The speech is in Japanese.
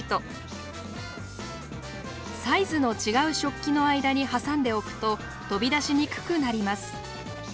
サイズの違う食器の間に挟んでおくと飛び出しにくくなります。